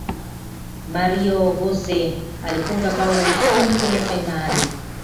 mario gotze alifunga bao la ushindi kwenye fainali